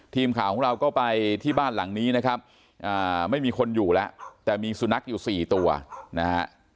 ทีมข่าวของเราก็ไปที่บ้านหลังนี้นะครับไม่มีคนอยู่แล้วแต่มีสุนัขอยู่๔ตัวนะฮะ